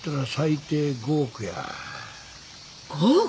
５億！？